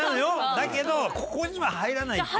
だけどここには入らないって。